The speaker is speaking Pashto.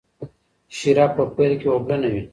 شیره په پیل کې اوبلنه وي.